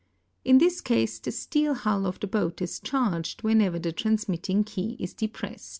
In this case, the steel hull of the boat is charged whenever the transmitting key is deprest.